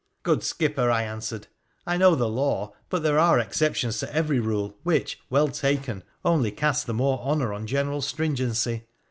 ' Good skipper,' I answered, ' I know the law, but there are exceptions to every rule, which, well taken, only cast the more honour on general stringency.